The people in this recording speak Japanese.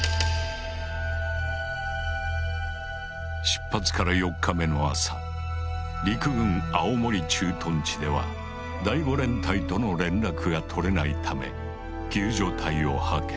出発から４日目の朝陸軍青森駐屯地では第５連隊との連絡が取れないため救助隊を派遣。